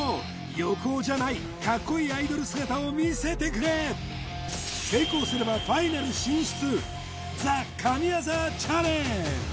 横尾じゃないかっこいいアイドル姿を見せてくれ成功すればファイナル進出